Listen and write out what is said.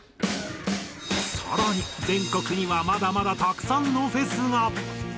更に全国にはまだまだたくさんのフェスが。